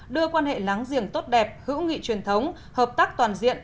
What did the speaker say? đưa quan hệ láng giềng tốt đẹp hữu nghị truyền thống hợp tác toàn diện